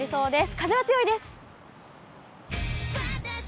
風は強いです。